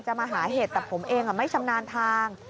มาหาเห็ดแต่ผมเองไม่ชำนาญทาง